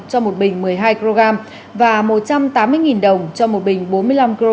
cho một bình một mươi hai kg và một trăm tám mươi đồng cho một bình bốn mươi năm kg